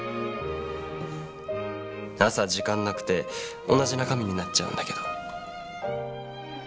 朝時間なくて同じ中身になっちゃうんだけど。